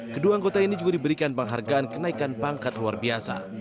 kedua anggota ini juga diberikan penghargaan kenaikan pangkat luar biasa